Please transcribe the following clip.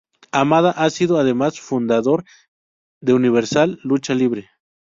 Hamada ha sido además fundador de Universal Lucha Libre.